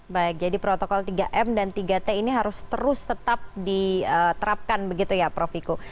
baik jadi protokol tiga m dan tiga t ini harus terus tetap diterapkan begitu ya prof wiku